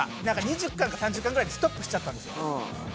何か２０貫か３０貫ぐらいでストップしちゃったんですよ。